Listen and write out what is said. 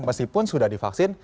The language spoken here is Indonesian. meskipun sudah divaksin